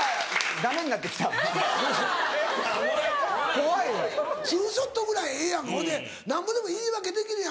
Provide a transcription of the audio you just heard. ・怖い・ツーショットぐらいええやんかほいでなんぼでも言い訳できるやん。